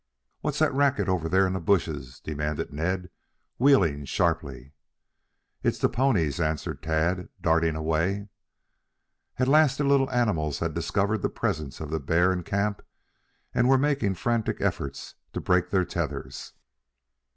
"What's that racket over there in the bushes?" demanded Ned, wheeling sharply. "It's the ponies," answered Tad, darting away. At last the little animals had discovered the presence of the bear in camp and were making frantic efforts to break their tethers.